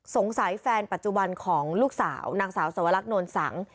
แฟนปัจจุบันของลูกสาวนางสาวสวรรคโนลสัง